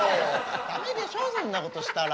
ダメでしょそんなことしたら。